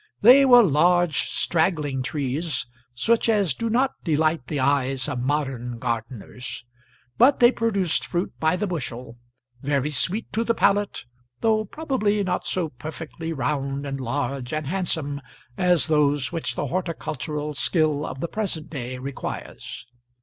They were large, straggling trees, such as do not delight the eyes of modern gardeners; but they produced fruit by the bushel, very sweet to the palate, though probably not so perfectly round, and large, and handsome as those which the horticultural skill of the present day requires.